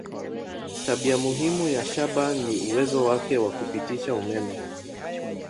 Tabia muhimu ya shaba ni uwezo wake wa kupitisha umeme.